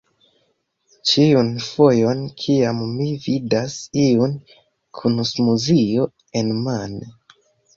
Ĉiun fojon kiam mi vidas iun kun smuzio enmane